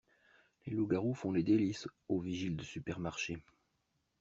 Les loups-garous font les délices au vigile de supermarché.